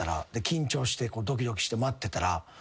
緊張してドキドキして待ってたら。